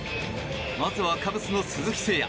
まずは、カブスの鈴木誠也。